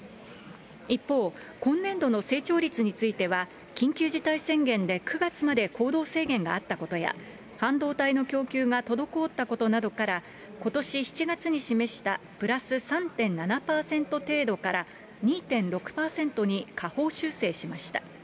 一方、今年度の成長率については、緊急事態宣言で９月まで行動制限があったことや、半導体の供給が滞ったことなどから、ことし７月に示したプラス３．７％程度から、２．６％に下方修正しました。